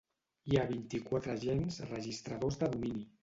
Hi ha vint-i-quatre agents registradors de domini.